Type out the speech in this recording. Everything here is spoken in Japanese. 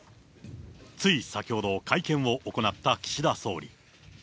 つい先ほど、会見を行った岸田総理。